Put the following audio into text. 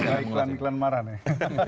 iklan iklan marah nih